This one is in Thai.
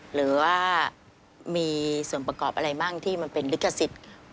หรือว่ามีส่วนประกอบอะไรบ้างที่มันเป็นลิขสิทธิ์